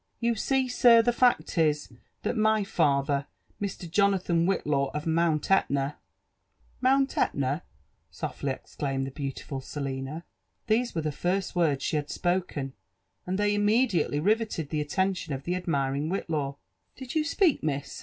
You sec, sir, the fact is, that my father, Mr. Jonathan Whitlaw, of Mount Etna "•• Mount Etna 1" softly exclaimed the beautiful Selina. These were the first words she had spoken, and they immediately riveted the attention of the admiring Whitlaw. •• Did you speak, miss?"